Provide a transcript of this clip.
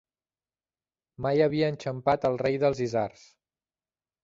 Mai havia enxampat el rei dels isards.